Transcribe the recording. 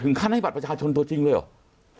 ขั้นให้บัตรประชาชนตัวจริงเลยเหรอ